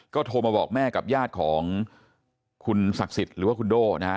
โทรมาบอกแม่กับญาติของคุณศักดิ์สิทธิ์หรือว่าคุณโด่นะฮะ